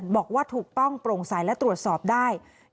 บอกว่าถูกต้องโปร่งใสและตรวจสอบได้